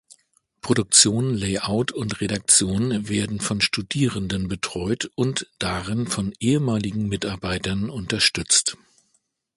Produktion, Layout und Redaktion werden von Studierenden betreut und darin von ehemaligen Mitarbeitern unterstützt.